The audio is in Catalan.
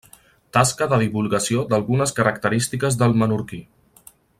Tasca de divulgació d'algunes característiques del menorquí.